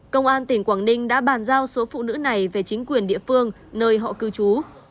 công an tỉnh quảng ninh đã bàn giao số phụ nữ này về chính quyền địa phương nơi họ cư trú